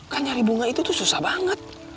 kan nyari bunga itu tuh susah banget